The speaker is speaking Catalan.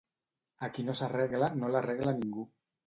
A qui no s'arregla, no l'arregla ningú.